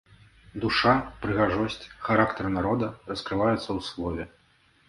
Душа, прыгажосць, характар народа раскрываюцца ў слове.